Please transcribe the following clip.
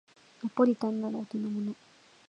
ナポリタンならお手のもの